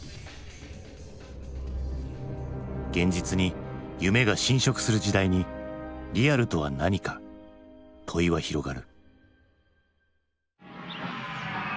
現実に夢が侵食する時代に「リアルとは何か？」問いは広がる。